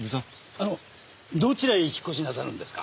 あのどちらへ引っ越しなさるんですか？